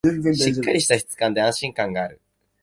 しっかりした質感で安心感がある